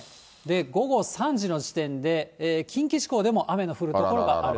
午後３時の時点で近畿地方でも雨の降る所がある。